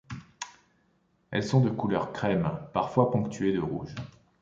Elles sont de couleur crème, parfois ponctuées de rouge.